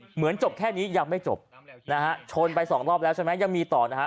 เหมือนจบแค่นี้ยังไม่จบนะฮะชนไปสองรอบแล้วใช่ไหมยังมีต่อนะฮะ